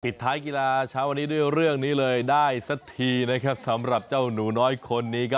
ผิดท้ายกีฬาชะวันที่ด้วยเรื่องนี้เลยได้สัดทีสำหรับเจ้านูน้อยคนนี้